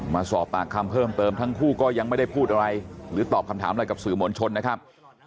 มาสอบปากคำเพิ่มเติมทั้งคู่ก็ยังไม่ได้พูดอะไรหรือตอบคำถามอะไรกับสื่อมวลชนนะครับ